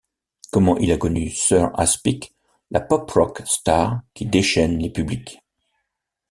Comment il a connu Sir Aspic, la pop-rock star qui déchaîne les publics.